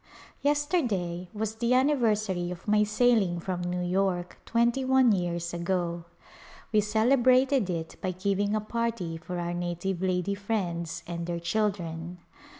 Yesterday was the anniversary of my sailing from New York twenty one years ago. We celebrated it by giving a party for our native lady friends and their children.